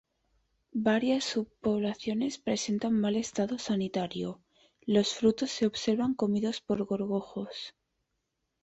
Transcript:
Varias subpoblaciones presentan mal estado sanitario: Los frutos se observan comidos por gorgojos.